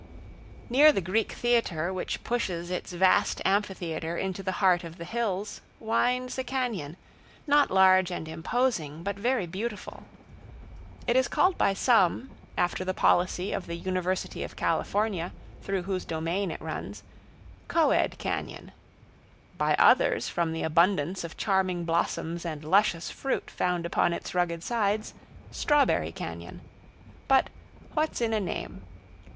Near the Greek Theater, which pushes its vast amphitheater into the heart of the hills, winds a cañon, not large and imposing, but very beautiful. It is called by some, after the policy of the University of California, through whose domain it runs, "Co ed Cañon"; by others, from the abundance of charming blossoms and luscious fruit found upon its rugged sides, "Strawberry Cañon." But "What's in a name?"